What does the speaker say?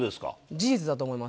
事実だと思います。